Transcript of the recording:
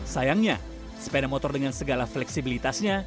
sayangnya sepeda motor dengan segala fleksibilitasnya